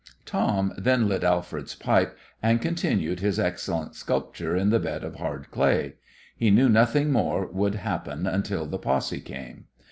Tom then lit Alfred's pipe, and continued his excellent sculpture in the bed of hard clay. He knew nothing more would happen until the posse came.